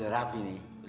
kok kayak begini nih